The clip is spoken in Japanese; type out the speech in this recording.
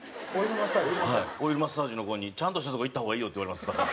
オイルマッサージの子にちゃんとしたとこ行った方がいいよって言われますだから。